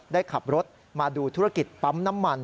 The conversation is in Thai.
ได้ขับรถมาดูธุรกิจปั๊มน้ำมัน